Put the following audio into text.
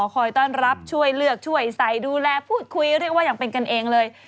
คอยต้อนรับช่วยเลือกช่วยใส่ดูแลพูดคุยเรียกว่าอย่างเป็นกันเองเลย